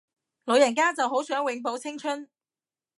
老人家就好想永葆青春